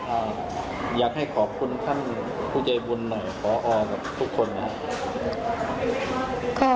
อยากให้ขอบคุณท่านผู้ใจบุญหน่อยพอกับทุกคนนะครับ